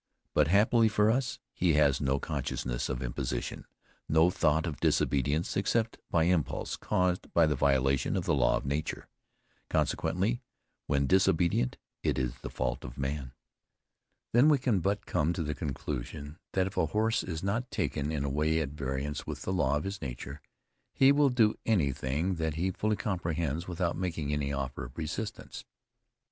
But happily for us, he has no consciousness of imposition, no thought of disobedience except by impulse caused by the violation of the law of nature. Consequently when disobedient it is the fault of man. Then, we can but come to the conclusion, that if a horse is not taken in a way at variance with the law of his nature, he will do anything that he fully comprehends without making any offer of resistance.